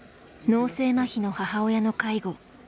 脳性まひの母親の介護。